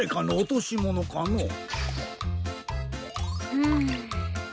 うん。